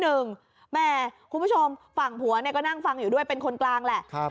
แหมคุณผู้ชมฝั่งผัวเนี่ยก็นั่งฟังอยู่ด้วยเป็นคนกลางแหละ